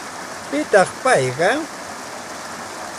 ¿Pitaq payqa?